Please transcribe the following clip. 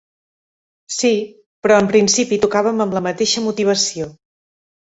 Sí, però en principi tocàvem amb la mateixa motivació.